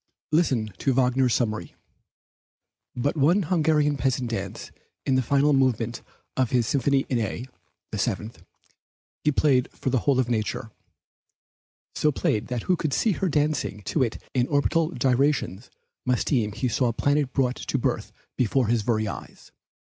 Listen to Wagner's summary: "But one Hungarian peasant dance in the final movement of his Symphony in A (the Seventh) he played for the whole of nature; so played that who could see her dancing to it in orbital gyrations must deem he saw a planet brought to birth before his very eyes."